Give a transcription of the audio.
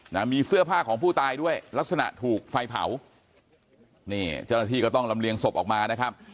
นะมีเสื้อผ้าของผู้ตายด้วยลักษณะถูกไฟเผานี่เจ้าหน้าที่ก็ต้องลำเลียงศพออกมานะครับ